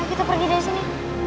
nah kita pergi dari sini